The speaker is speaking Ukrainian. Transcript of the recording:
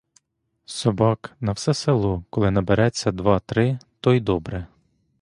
Собак на все село коли набереться два-три, то й добре!